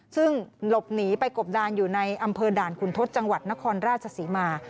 ซึ่งหลบหนีไปกบดานอยู่ในอำเภอด่านขุนทศจังหวัดนครราชศรีมา